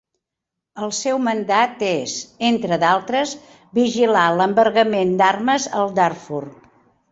El seu mandat és, entre d'altres, vigilar l'embargament d'armes al Darfur.